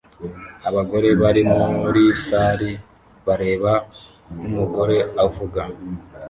Abagore bari muri sari bareba nkumugore avuga